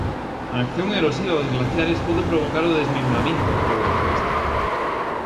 A acción erosiva dos glaciares pode provocar o desmembramento da codia terrestre.